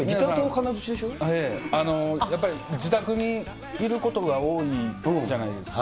やっぱり自宅にいることが多いじゃないですか。